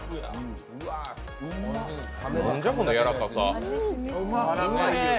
なんじゃこのやわらかさ。